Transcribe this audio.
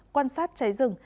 quan sát cháy rừng